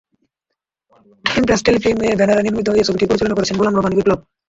Impress Telefilm এর ব্যানারে নির্মিত এ ছবিটি পরিচালনা করেছেন গোলাম রাব্বানী বিপ্লব।